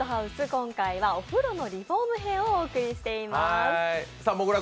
今回はお風呂のリフォーム編集をお送りしております。